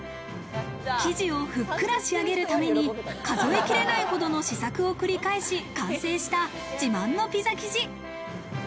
生地をふっくら仕上げるために数え切れないほどの試作を繰り返し完成した自慢のピザ生地。